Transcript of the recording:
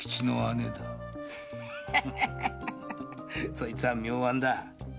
そいつは妙案だ。